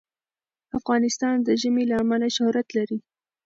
افغانستان د ژمی له امله شهرت لري.